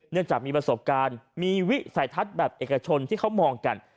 เนื่องจากมีประสบการณ์มีวิสัยทัศน์แบบเอกชนที่เขามองกัน